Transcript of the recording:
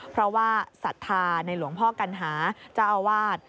เพราะว่าศรัทธาในหลวงพ่อกัณหาเจ้าอาวาส